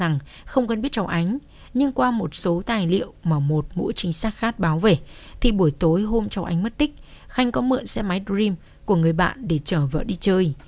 cho rằng không gần biết châu ánh nhưng qua một số tài liệu mà một mũi chính xác khác báo về thì buổi tối hôm châu ánh mất tích khanh có mượn xe máy dream của người bạn để chở vợ đi chơi